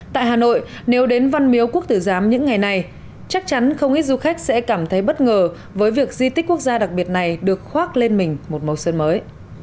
tại hà nội nếu đến văn miếu quốc tử giám những ngày này chắc chắn không ít du khách sẽ cảm thấy bất ngờ với việc di tích quốc gia đặc biệt này được khoác lên mình một màu sơn mới